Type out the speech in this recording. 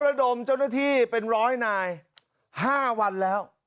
ระดมเจ้าหน้าที่เป็นร้อยนาย๕วันแล้ว